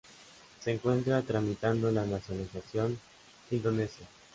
Se encuentra tramitando la nacionalización indonesio.